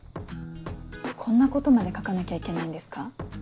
こんなことまで書かなきゃいけないんですか？